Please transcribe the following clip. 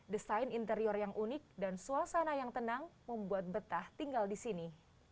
desain interior yang unik dan suasana yang tenang membuat betah tinggal di sini